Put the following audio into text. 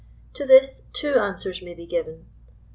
To this, two answers may be given.